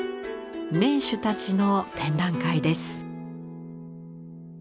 名手たちの展覧会です。